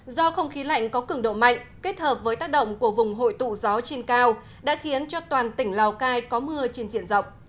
do không khí lạnh có cứng độ mạnh kết hợp với tác động của vùng hội tụ gió trên cao đã khiến cho toàn tỉnh lào cai có mưa trên diện rộng